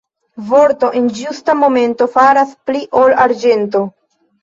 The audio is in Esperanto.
Vorto en ĝusta momento faras pli ol arĝento.